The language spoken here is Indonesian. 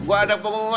gue ada pengumuman